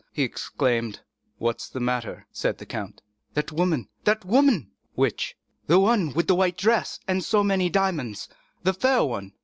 he exclaimed. "What is the matter?" said the count. "That woman—that woman!" "Which?" "The one with a white dress and so many diamonds—the fair one."